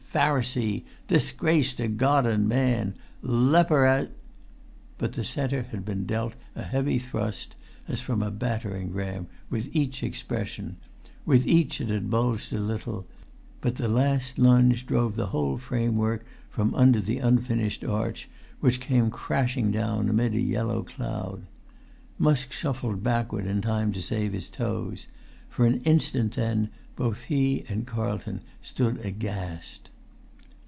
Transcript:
Pharisee! Disgrace to God and man! Leper as——" But the centre had been dealt a heavy thrust, as from a battering ram, with each expression; with each it had bulged a little; but the last lunge drove the whole framework from under the unfinished arch, which came crashing down amid a yellow cloud. Musk shuffled backward in time to save his toes; for an instant then both he and Carlton stood aghast.